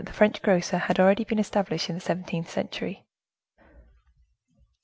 the French Grocer had already been established in the Seventeenth Century.